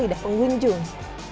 ada lidah pengunjung